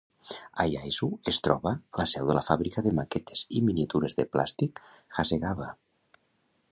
A Yaizu es troba la seu de la fàbrica de maquetes i miniatures de plàstic Hasegawa.